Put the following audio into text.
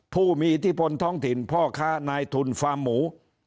ผู้มีอิทธิพลท้องถิ่นพ่อค้านายทุนฟาร์มหมู